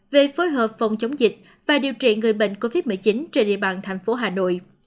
về phối hợp phòng chống dịch và điều trị người bệnh covid một mươi chín trên địa bàn thành phố hà nội